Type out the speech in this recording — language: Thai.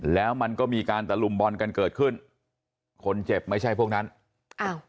แล้วมันก็มีการตะลุมบอลกันเกิดขึ้นคนเจ็บไม่ใช่พวกนั้นอ้าว